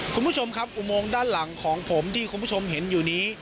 คุณผู้ชมครับอุโมงด้านหลังของผมที่คุณผู้ชมเห็นอยู่นี้